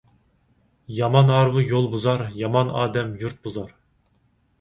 يامان ھارۋا يول بۇزار، يامان ئادەم يۇرت بۇزار.